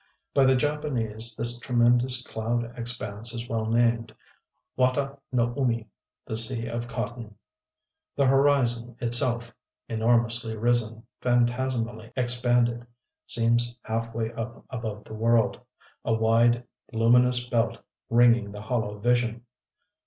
(By the Japanese, this tremendous cloud expanse is well named Wata no Umi, ŌĆ£the Sea of Cotton.ŌĆØ) The horizon itself enormously risen, phantasmally expanded seems halfway up above the world: a wide luminous belt ringing the hollow vision.